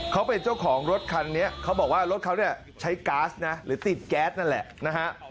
เขาเป็นเจ้าของรถคันนี้เขาบอกว่ารถเขาเนี่ยใช้ก๊าซนะหรือติดแก๊สนั่นแหละนะฮะ